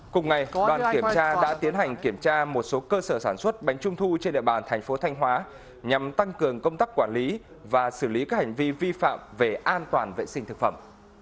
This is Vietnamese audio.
cùng ngày đoàn kiểm tra đã tiến hành kiểm tra một số cơ sở sản xuất bánh trung thu trên địa bàn thành phố thanh hóa nhằm tăng cường công tác quản lý và xử lý các hành vi vi phạm về an toàn vệ sinh thực phẩm